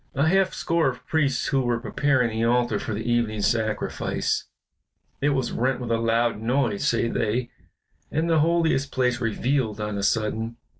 "A half score of priests who were preparing the altar for the evening sacrifice. It was rent with a loud noise, say they, and the Holiest place revealed on a sudden.